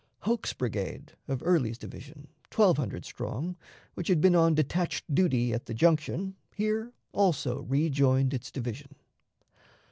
Hoke's brigade, of Early's division, twelve hundred strong, which had been on detached duty at the Junction, here also rejoined its division.